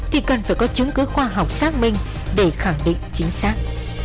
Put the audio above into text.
thì cần phải có chứng cứ khoa học xác minh để khẳng định chính xác